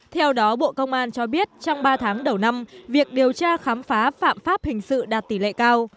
theo đó bộ công an cho biết trong ba tháng đầu năm việc điều tra khám phá phạm pháp hình sự đạt tỷ lệ cao